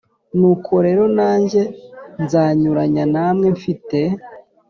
nuko rero nanjye nzanyuranya namwe mfite